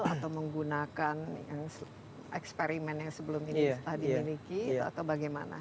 atau menggunakan eksperimen yang sebelum ini setelah dimiliki atau bagaimana